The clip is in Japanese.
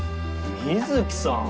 美月さん！